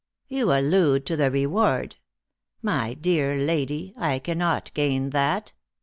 "You allude to the reward. My dear lady, I cannot gain that."